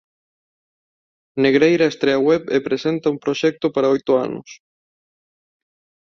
Negreira estrea web e presenta un proxecto para oito anos